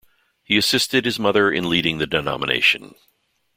He assisted his mother in leading the denomination.